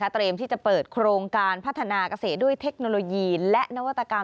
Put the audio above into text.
เตรียมที่จะเปิดโครงการพัฒนาเกษตรด้วยเทคโนโลยีและนวัตกรรม